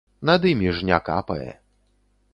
Над імі ж не капае.